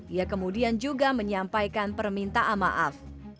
ia kemudian juga menyampaikan permintaan maaf